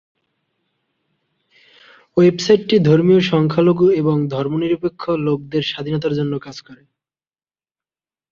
Website টি ধর্মীয় সংখ্যালঘু এবং ধর্মনিরপেক্ষ লেখকদের স্বাধীনতার জন্য কাজ করে।